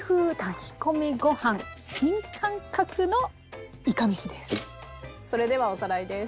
新感覚のいかめしです。